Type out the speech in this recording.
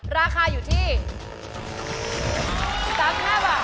ราคาอยู่ที่๓๕บาท